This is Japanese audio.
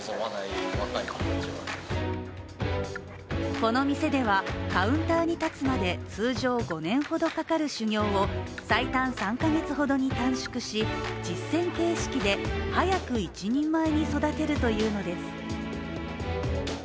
この店では、カウンターに立つまで通常５年ほどかかる修業を最短３か月ほどに短縮し、実践形式で早く一人前に育てるというのです。